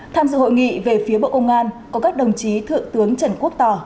tham dự hội nghị về phía bộ công an có các đồng chí thượng tướng trần quốc tỏ